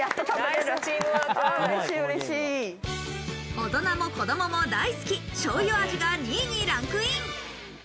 大人も子供も大好き醤油味が２位にランクイン。